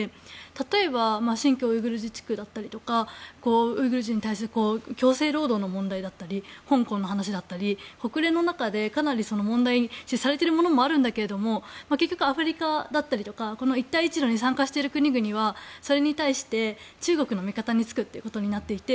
例えば新疆ウイグル自治区だったりとかウイグル人に対する強制労働の問題だったり香港の話だったり、国連の中でかなり問題視されているものもあるんだけれども結局、アフリカだったりとか一帯一路に参加している国々はそれに対して、中国の味方に付くっていうことになっていて。